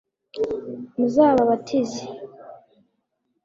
muzabababatize